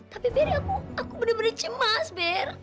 tapi bear aku bener bener cemas bear